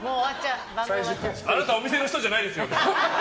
あなたお店の人じゃないですよね。